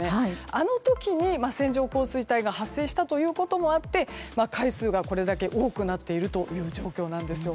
あの時に線状降水帯が発生したということもあって回数がこれだけ多くなっているという状況です。